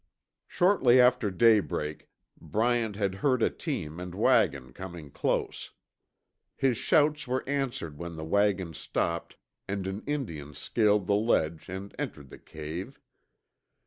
Shortly after daybreak Bryant had heard a team and wagon coming close. His shouts were answered when the wagon stopped and an Indian scaled the ledge and entered the cave.